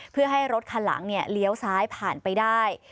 เพื่อให้รถคันหลังเลี้ยวซ้ายผ่านไปได้